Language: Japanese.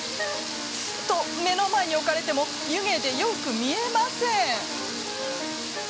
と、目の前に置かれても湯気でよく見えません。